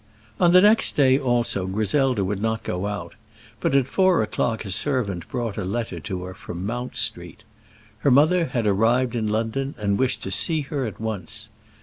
On the next day also Griselda would not go out, but at four o'clock a servant brought a letter to her from Mount Street. Her mother had arrived in London and wished to see her at once.